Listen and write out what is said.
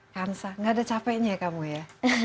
hansa nggak ada capeknya kamu ya